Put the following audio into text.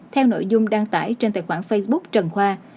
theo nội dung đăng tải trên tài khoản facebook trần khoa